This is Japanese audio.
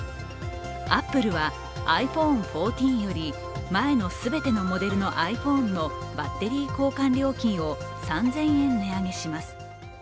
アップルはｉＰｈｏｎｅ１４より前の全てのモデルのｉＰｈｏｎｅのバッテリー交換料金を３０００円値上げします。